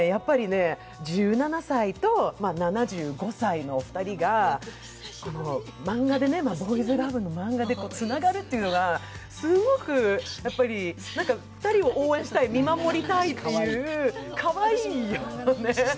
１７歳と７５歳の２人がボーイズラブの漫画でつながるというのが何か２人を応援したい、見守りたいという、かわいいよね。